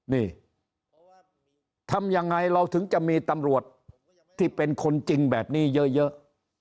นี่ทำยังไงเราถึงจะมีตำรวจที่เป็นคนจริงแบบนี้เยอะ